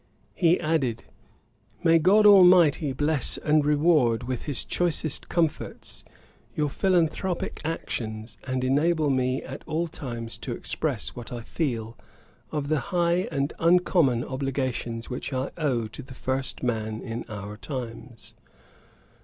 He added: 'May GOD ALMIGHTY bless and reward, with his choicest comforts, your philanthropick actions, and enable me at all times to express what I feel of the high and uncommon obligations which I owe to the first man in our times.'